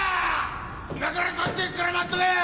今からそっち行くから待っとけよ！